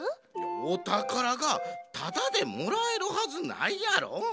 おたからがタダでもらえるはずないやろ。